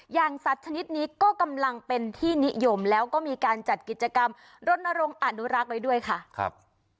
สัตว์ชนิดนี้ก็กำลังเป็นที่นิยมแล้วก็มีการจัดกิจกรรมรณรงค์อนุรักษ์ไว้ด้วยค่ะครับ